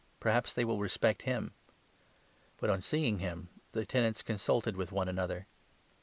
Perhaps they will respect him.' But, on seeing him, the tenants 14 consulted with one another.